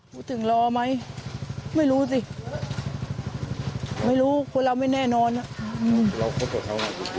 รู้ถึงรอไหมไม่รู้สิไม่รู้คนเราไม่แน่นอนอ่ะ